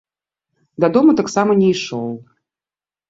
Дадому таксама не ішоў.